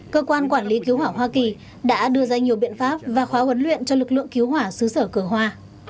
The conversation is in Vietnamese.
cơ quan quản lý cứu hỏa hoa kỳ đã đưa ra nhiều biện pháp và khóa huấn luyện cho lực lượng cứu hỏa xứ sở cửa hoa